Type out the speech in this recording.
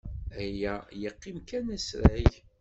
Aya yeqqim kan asrag.